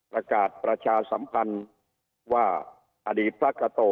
รากาศประชาสำคัญว่าอดีตทรักษ์กัตโต